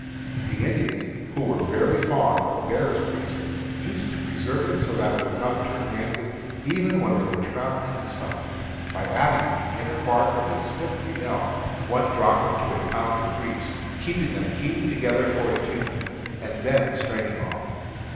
The Indians, who were very fond of bear's grease, used to preserve it so that it would not turn rancid even when they were traveling in summer, by adding the inner bark of the slippery elm (1 drachm to a pound of grease), keeping them heated together for a few minutes, and then straining off.